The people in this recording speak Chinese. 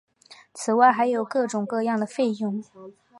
此外还有各种各样的费用。